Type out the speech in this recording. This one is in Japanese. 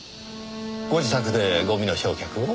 ご自宅でゴミの焼却を？